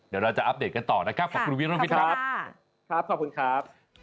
เดี๋ยวเราจะอัปเดตกันต่อนะครับขอบคุณวิรวิทย์ครับครับขอบคุณครับ